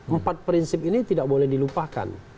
empat prinsip ini tidak boleh dilupakan